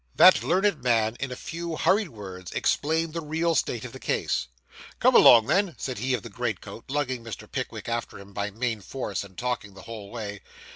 That learned man in a few hurried words explained the real state of the case. 'Come along, then,' said he of the green coat, lugging Mr. Pickwick after him by main force, and talking the whole way.